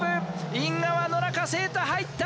イン側野中誠太入った。